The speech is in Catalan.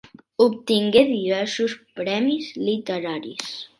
Obtingué diversos premis literaris.